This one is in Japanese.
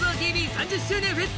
３０周年フェス